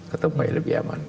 ketemu lagi lebih aman